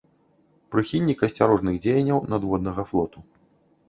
Прыхільнік асцярожных дзеянняў надводнага флоту.